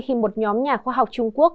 khi một nhóm nhà khoa học trung quốc